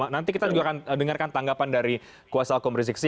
nanti kita juga akan dengarkan tanggapan dari kuasa hukum rizik sih